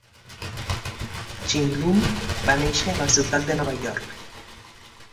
Chinlund va néixer a la ciutat de Nova York.